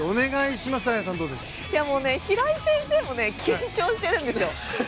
平井先生も緊張しているんですよ。